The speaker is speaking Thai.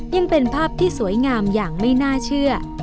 ยังเป็นภาพที่สวยงามอย่างไม่น่าเชื่อ